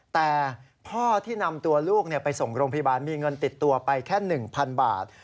แต่พ่อที่นำตัวลูกไปส่งโรงพยาบาลมีเงินติดตัวไปแค่๑๐๐๐บาท